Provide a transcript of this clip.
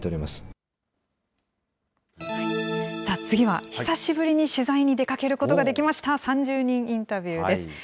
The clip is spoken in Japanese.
次は、久しぶりに取材に出かけることができました、３０人インタビューです。